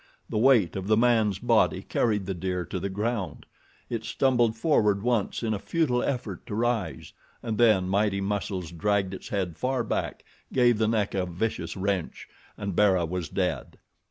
The weight of the man's body carried the deer to the ground. It stumbled forward once in a futile effort to rise, and then mighty muscles dragged its head far back, gave the neck a vicious wrench, and Bara was dead.